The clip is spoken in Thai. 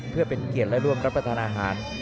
เพื่อเป็นเกียรติและร่วมรับประทานอาหาร